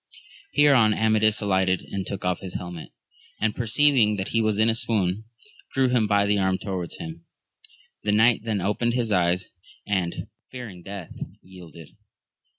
Hereon Amadis alighted and took off his helmet, and perceiving that he was in a swoon, drew him by the arm towards him ; the knight then opened his %yea^ and, fearing death, yielded.